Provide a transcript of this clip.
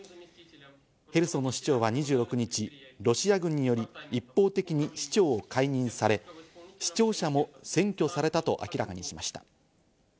ヘルソンの市長は２６日、ロシア軍により一方的に市長を解任され、市庁舎も占拠されたと明らかにしました。